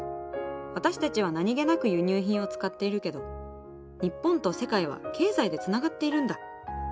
私たちは何気なく輸入品を使っているけど日本と世界は経済でつながっているんだ。